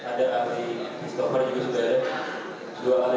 ada ahli christopher juga sudah ada